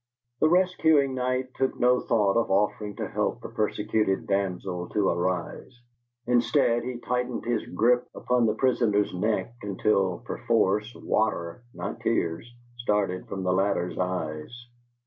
The rescuing knight took no thought of offering to help the persecuted damsel to arise; instead, he tightened his grip upon the prisoner's neck until, perforce, water not tears started from the latter's eyes.